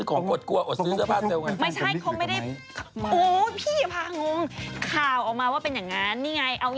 โอ้ววพี่อย่าพางง